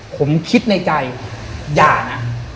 ผมคิดในใจอย่านะ